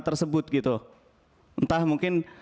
tersebut gitu entah mungkin